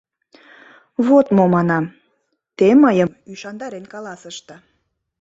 — Вот мо, — манам, — те мыйым ӱшандарен каласышда.